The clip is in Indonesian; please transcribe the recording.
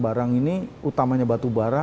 barang ini utamanya batubara